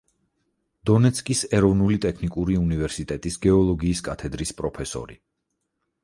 დონეცკის ეროვნული ტექნიკური უნივერსიტეტის გეოლოგიის კათედრის პროფესორი.